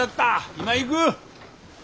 今行く！